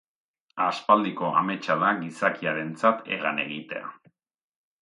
Aspaldiko ametsa da gizakiarentzat hegan egitea.